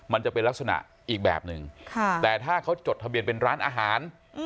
มันจะเป็นลักษณะอีกแบบหนึ่งแต่ถ้าเขาจดทะเบียนเป็นร้านอาหาร